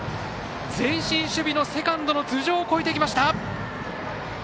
前進守備のセカンドの頭上を越えていきました。